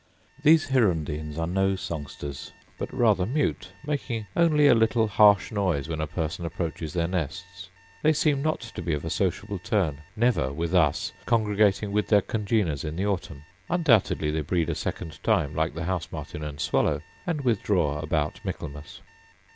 These hirundines are no songsters, but rather mute, making only a little harsh noise when a person approaches their nests. They seem not to be of a sociable turn, never with us congregating with their congeners in the autumn. Undoubtedly they breed a second time, like the house martin and swallow; and withdraw about Michaelmas.